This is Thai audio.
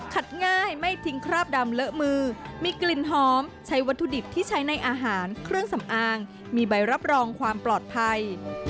ง่ายไม่ทิ้งคราบดำเลอะมือมีกลิ่นหอมใช้วัตถุดิบที่ใช้ในอาหารเครื่องสำอางมีใบรับรองความปลอดภัย